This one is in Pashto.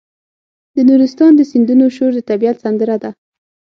د نورستان د سیندونو شور د طبیعت سندره ده.